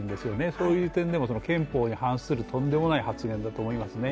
そういう点でも憲法に反するとんでもない発言だと思いますね。